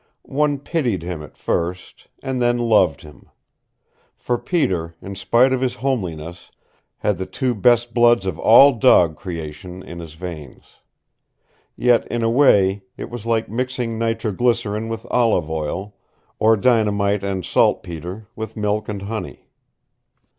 One pitied him at first and then loved him. For Peter, in spite of his homeliness, had the two best bloods of all dog creation in his veins. Yet in a way it was like mixing nitro glycerin with olive oil, or dynamite and saltpeter with milk and honey.